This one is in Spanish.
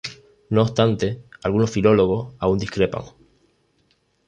No obstante algunos filólogos aún discrepan.